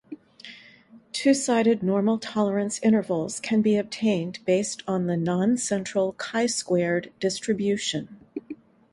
Two-sided normal tolerance intervals can be obtained based on the noncentral chi-squared distribution.